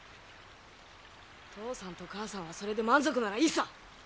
父さんと母さんはそれで満足ならいいさ。